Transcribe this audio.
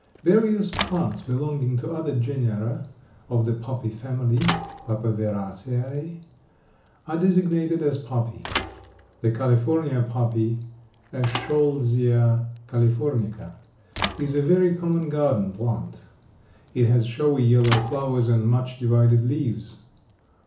Various plants belonging to other genera of the poppy family (Papaveraceæ) are designated as poppy. The California poppy (Eschscholzia Californica) is a very common garden plant. It has showy yellow flowers and much divided leaves.